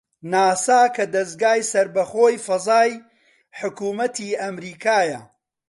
ناسا کە دەزگای سەربەخۆی فەزای حکوومەتی ئەمریکایە